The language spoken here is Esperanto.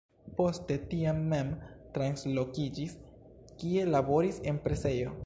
Poste tien mem translokiĝis, kie laboris en presejo.